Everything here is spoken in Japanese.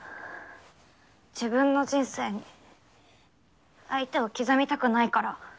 自分の人生に相手を刻みたくないから。